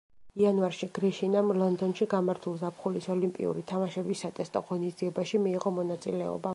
იანვარში გრიშინამ ლონდონში გამართულ ზაფხულის ოლიმპიური თამაშების სატესტო ღონისძიებაში მიიღო მონაწილეობა.